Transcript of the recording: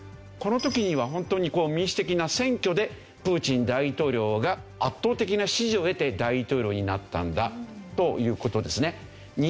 この時には本当に民主的な選挙でプーチン大統領が圧倒的な支持を得て大統領になったんだという事ですね。